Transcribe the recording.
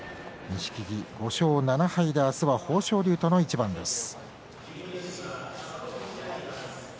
錦木、５勝７敗で明日は豊昇龍との一番です。